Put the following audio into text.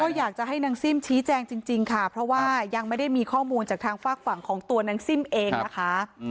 อยากจะให้นางซิ่มชี้แจงจริงค่ะเพราะว่ายังไม่ได้มีข้อมูลจากทางฝากฝั่งของตัวนางซิ่มเองนะคะ